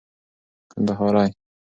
کندهارى